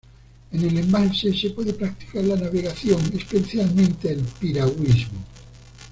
En el embalse se puede practicar la navegación, especialmente el piragüismo.